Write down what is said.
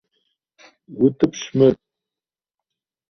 УтӀыпщ мыр!